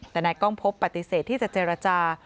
แต่นายกล้องพบปฏิเสธที่จะเจรจา